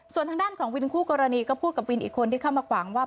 ส่วนทางด้านของวินคู่กรณีก็พูดกับวินอีกคนที่เข้ามาขวางว่า